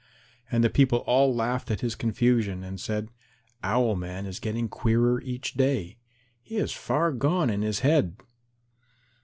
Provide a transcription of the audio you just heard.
And the people all laughed at his confusion, and said, "Owl man is getting queerer each day. He is far gone in his head."